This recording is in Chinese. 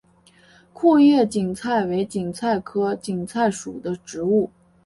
库页堇菜为堇菜科堇菜属的植物。